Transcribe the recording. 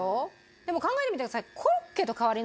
でも考えてみてください。